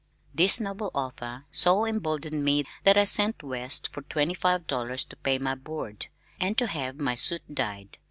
This noble offer so emboldened me that I sent west for twenty five dollars to pay my board, and to have my suit dyed.